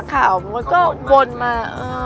มันก็วนมา